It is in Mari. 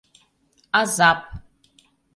Азап!